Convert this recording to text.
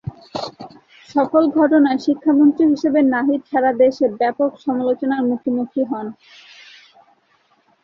এসকল ঘটনায় শিক্ষামন্ত্রী হিসেবে নাহিদ সারাদেশে ব্যাপক সমালোচনার মুখোমুখি হন।